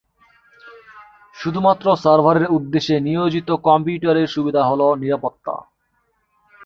শুধুমাত্র সার্ভারের উদ্দেশ্যে নিয়োজিত কম্পিউটারের সুবিধা হল নিরাপত্তা।